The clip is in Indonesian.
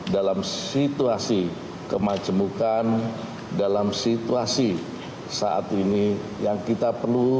dalam situasi kemajemukan dalam situasi saat ini yang kita perlu